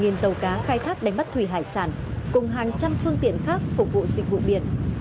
có hơn một tàu cá khai thác đánh bắt thủy hải sản cùng hàng trăm phương tiện khác phục vụ dịch vụ biển